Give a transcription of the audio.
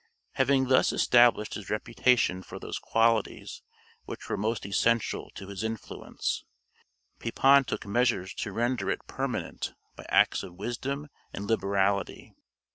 Having thus established his reputation for those qualities which were most essential to his influence, Pepin took measures to render it permanent by acts of wisdom and liberality.